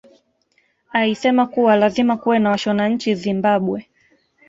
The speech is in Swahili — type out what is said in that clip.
Aisema kuwa lazima kuwe na washona nchini Zimbabwe